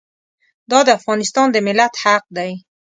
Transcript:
دا د افغانستان د ملت حق دی.